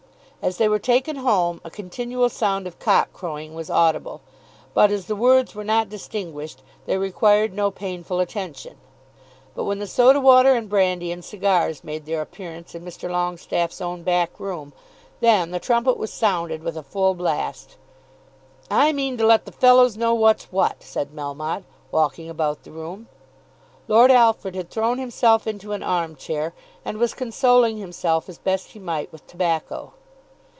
As they were taken home a continual sound of cock crowing was audible, but as the words were not distinguished they required no painful attention; but when the soda water and brandy and cigars made their appearance in Mr. Longestaffe's own back room, then the trumpet was sounded with a full blast. "I mean to let the fellows know what's what," said Melmotte, walking about the room. Lord Alfred had thrown himself into an arm chair, and was consoling himself as best he might with tobacco.